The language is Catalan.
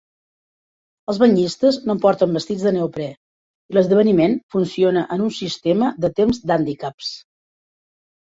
Els banyistes no porten vestits de neoprè i l'esdeveniment funciona en un sistema de temps d'hàndicaps.